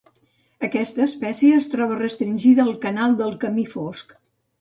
Aquesta espècie es troba restringida al canal del camí Fosc.